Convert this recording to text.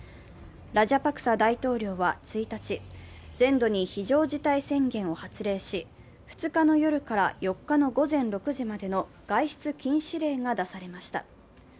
ラジャパクサ大統領は１日全土に非常事態宣言を発令し、２日の夜から４日の午前６時までの外出禁止令が出されました。